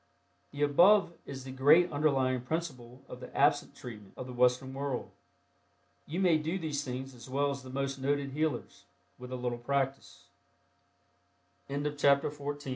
The above is the great underlying principle of the "absent treatment" of the Western world. You may do these things as well as the most noted healers, with a little practice. CHAPTER XV.